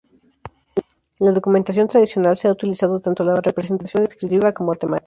En la documentación tradicional, se ha utilizado tanto la representación descriptiva como temática.